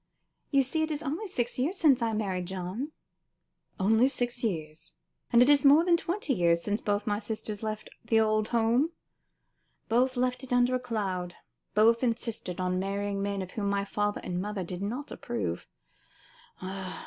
You see it is only six years since I married John." "Only six years. And it is more than twenty years since both my sisters left the old home. Both left it under a cloud; both insisted on marrying men of whom my father and mother did not approve.